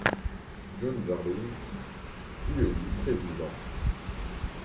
John Jardine fut élu président.